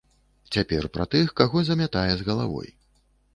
Цяпер пра тых, каго замятае з галавой.